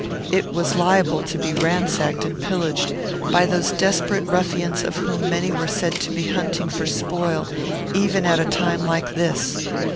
It was liable to be ransacked and pillaged by those desperate ruffians of whom many were said to be hunting for spoil even at a time like this.